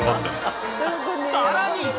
［さらに］